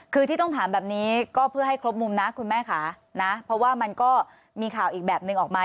คือที่ต้องถามแบบนี้ก็เพื่อให้ครบมุมนะคุณแม่ค่ะนะเพราะว่ามันก็มีข่าวอีกแบบนึงออกมา